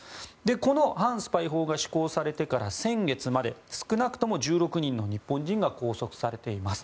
この反スパイ法が施行されてから先月まで少なくとも１６人の日本人が拘束されています。